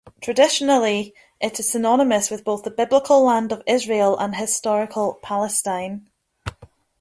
Traditionally, it is synonymous with both the biblical Land of Israel and historical Palestine.